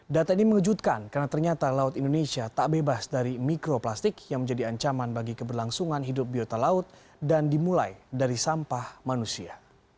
data ini mengejutkan karena ternyata laut indonesia tak bebas dari mikroplastik yang menjadi ancaman bagi keberlangsungan hidup biota laut dan dimulai dari sampah manusia